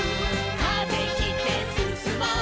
「風切ってすすもう」